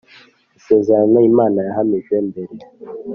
Isezerano imana yahamije mbere